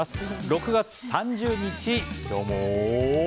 ６月３０日、今日も。